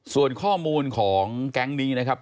ส่วนข้อมูลของแก๊งนี้นะครับ